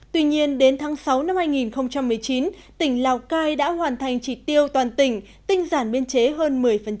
tuy nhiên đến tháng sáu năm hai nghìn một mươi chín tỉnh lào cai đã hoàn thành trị tiêu toàn tỉnh tinh giản biên chế hơn một mươi